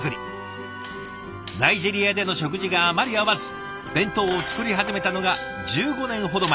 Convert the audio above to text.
ナイジェリアでの食事があまり合わず弁当を作り始めたのが１５年ほど前。